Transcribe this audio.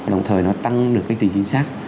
đồng thời nó tăng được cái tính chính xác